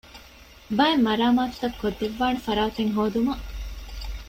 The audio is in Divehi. ބައެއް މަރާމާތުތައް ކޮށްދެއްވާނެ ފަރާތެއް ހޯދުމަށް